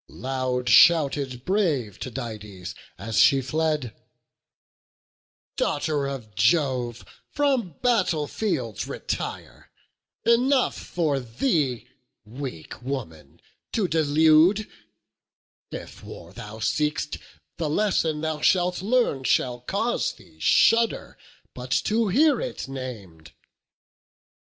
Loud shouted brave Tydides, as she fled: "Daughter of Jove, from battle fields retire; Enough for thee weak woman to delude; If war thou seek'st, the lesson thou shalt learn Shall cause thee shudder but to hear it nam'd."